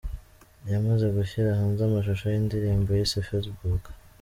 Yamaze gushyira hanze amashusho y’indirimbo yise’Facebook’.